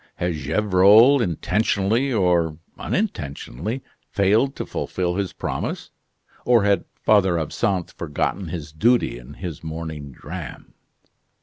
Had Gevrol intentionally or unintentionally failed to fulfil his promise, or had Father Absinthe forgotten his duty in his morning dram?